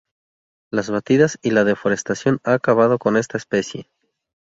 Las batidas y la deforestación han acabado con esta especie.